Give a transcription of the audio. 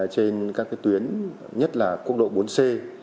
trên các tuyến nhất là quốc độ bốn c